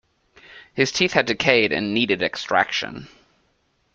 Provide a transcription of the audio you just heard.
His teeth had decayed and needed extraction.